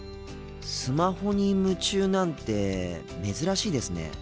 スマホに夢中なんて珍しいですね。